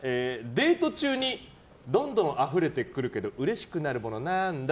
デート中にどんどんあふれてくるけどうれしくなるものなーんだ？